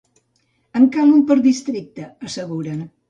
En cal un per districte, asseguren.